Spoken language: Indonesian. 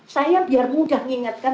saya biar mudah ngingatkan